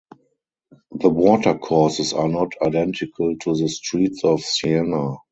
The watercourses are not identical to the streets of Siena.